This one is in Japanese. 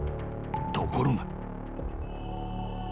［ところが］